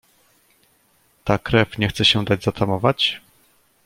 "Ta krew nie chce się dać zatamować?"